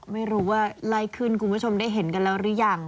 ไม่รู้ว่าไล่ขึ้นคุณผู้ชมได้เห็นกันแล้วหรือยัง